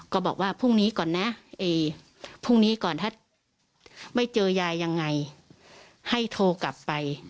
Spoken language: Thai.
ก็บอกว่าพรุ่งนี้ก่อนนะพรุ่งนี้ก่อนถ้าไม่เจอยายยังไงให้โทรกลับไป